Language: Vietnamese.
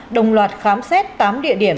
đồng loạt khám xét tám địa điểm